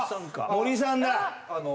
森さんだ。